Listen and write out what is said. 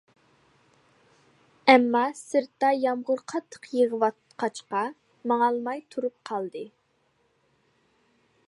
ئەمما سىرتتا يامغۇر قاتتىق يېغىۋاتقاچقا ماڭالماي تۇرۇپ قالدى.